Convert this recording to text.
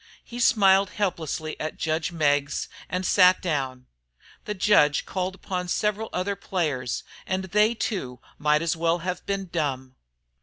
He smiled helplessly at judge Meggs and sat down. The judge called upon several other players, and they too might as well have been dumb.